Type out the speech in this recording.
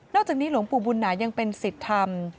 จากนี้หลวงปู่บุญหนายังเป็นสิทธิ์ธรรม